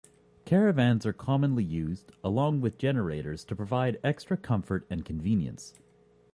Caravans are commonly used, along with generators to provide extra comfort and convenience.